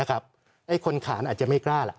ไอ้คนขาอาจจะไม่กล้าค่ะ